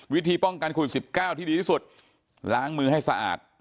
วิธีป้องกันโควิด๑๙ที่ดีที่สุดล้างมือให้สะอาด